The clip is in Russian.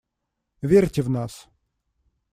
Верьте в нас.